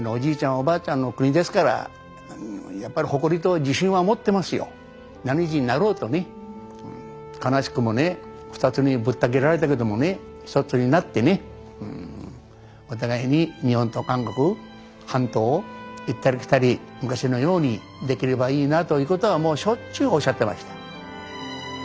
おばあちゃんのお国ですから悲しくもね２つにぶった切られたけどもね一つになってねお互いに日本と韓国半島を行ったり来たり昔のようにできればいいなということはもうしょっちゅうおっしゃってました。